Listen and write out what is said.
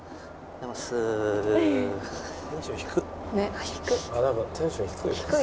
なんかテンション低い。